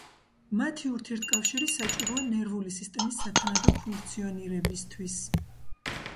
მათი ურთიერთკავშირი საჭიროა ნერვული სისტემის სათანადო ფუნქციონირებისთვის.